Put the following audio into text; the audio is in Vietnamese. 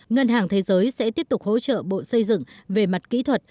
ngân hàng thế giới sẽ tiếp tục hỗ trợ bộ xây dựng về mặt kỹ thuật